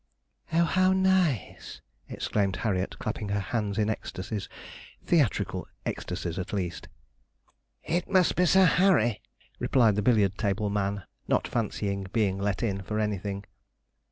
'Oh, how nice!' exclaimed Harriet, clapping her hands in ecstasies theatrical ecstasies at least. 'It must be Sir Harry,' replied the billiard table man, not fancying being 'let in' for anything.